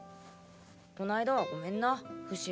こないだはごめんなフシ。